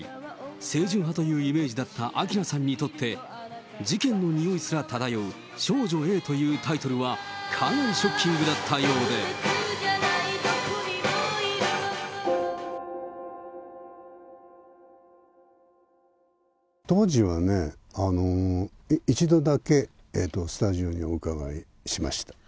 清純派というイメージだった明菜さんにとって、事件のにおいすら漂う少女Ａというタイトルは、当時はね、一度だけスタジオにおうかがいしました。